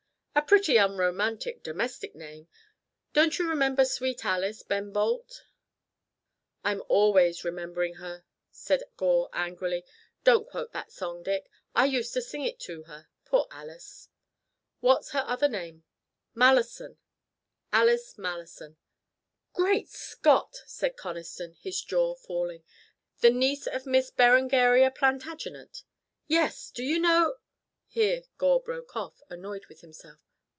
"A pretty unromantic, domestic name. 'Don't you remember sweet Alice, Ben Bolt?'" "I'm always remembering her," said Gore, angrily. "Don't quote that song, Dick. I used to sing it to her. Poor Alice." "What's her other name?" "Malleson Alice Malleson!" "Great Scott!" said Conniston, his jaw falling. "The niece of Miss Berengaria Plantagenet?" "Yes! Do you know ?" Here Gore broke off, annoyed with himself.